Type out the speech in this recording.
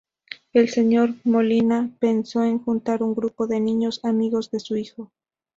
El señor Molina pensó en juntar un grupo de niños amigos de su hijo.